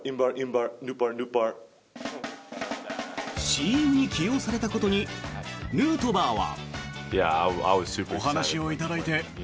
ＣＭに起用されたことにヌートバーは。